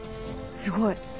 すごい。